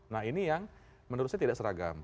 nah ini yang menurut saya tidak seragam